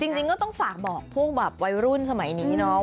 จริงก็ต้องฝากบอกพวกแบบวัยรุ่นสมัยนี้เนาะ